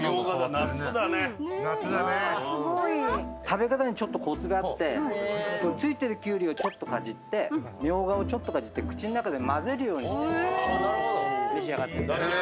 食べ方にちょっとコツがあって付いてるキュウリをちょっとかじってミョウガをちょっとかじって口の中で交ぜるように召し上がって。